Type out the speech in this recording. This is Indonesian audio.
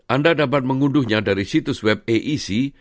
anda dapat mengunduhnya dari situs web aisi